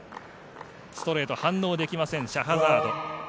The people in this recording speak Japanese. ストレート、反応できませんシャハザード。